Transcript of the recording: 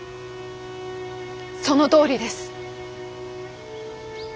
そのとおりです。